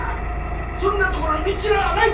そんなところに道らあない！